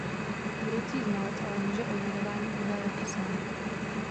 Budoucí znalec ale může o jmenování požádat i sám.